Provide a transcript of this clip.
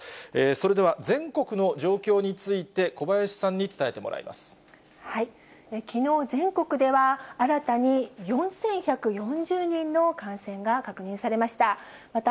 それでは全国の状況について、きのう、全国では新たに４１４０人の感染が確認されました。